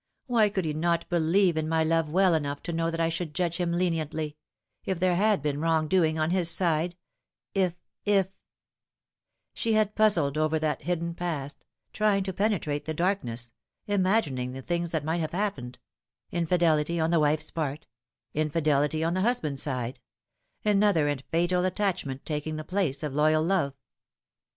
Why could he not believe in my love well enough to know that I should judge him leniently if there had been wrong doing on his side if if " She had puzzled over that hidden past, trying to penetrate the darkness, imagining the things that might have happened infidelity on the wife's part infidelity on the husband's side another and fatal attachment taking the place of loyal love.